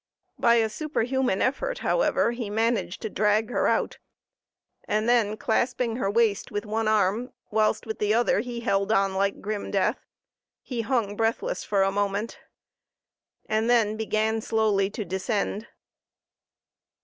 By a superhuman effort, however, he managed to drag her out, and then clasping her waist with one arm, whilst with the other he held on like grim death, he hung breathless for a moment, and then began slowly to descend.